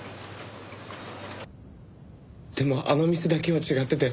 でもあの店だけは違ってて。